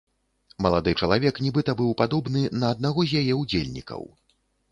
Малады чалавек нібыта быў падобны на аднаго з яе ўдзельнікаў.